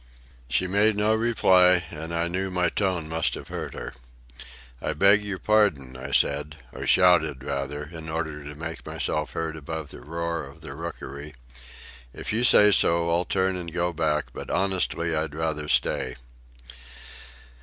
She made no reply, and I knew my tone must have hurt her. "I beg your pardon," I said, or shouted, rather, in order to make myself heard above the roar of the rookery. "If you say so, I'll turn and go back; but honestly, I'd rather stay."